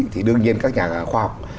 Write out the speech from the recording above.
thì đương nhiên các nhà khảo học